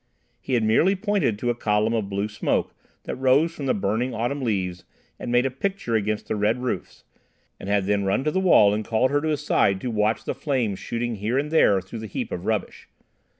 He had merely pointed to a column of blue smoke that rose from the burning autumn leaves and made a picture against the red roofs, and had then run to the wall and called her to his side to watch the flames shooting here and there through the heap of rubbish.